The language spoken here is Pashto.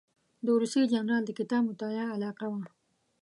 د روسي جنرال د کتاب مطالعه علاقه وه.